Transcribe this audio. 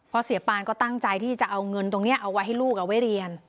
เพราะเสียปานก็ตั้งใจที่จะเอาเงินตรงนี้เอาไว้ให้ลูกเอาไว้เรียน